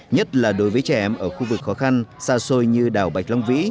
nhất là đối với trẻ em ở khu vực khó khăn xa xôi như đảo bạch long vĩ